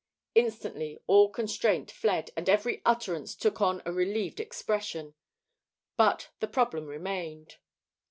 Instantly all constraint fled, and every countenance took on a relieved expression. But the problem remained.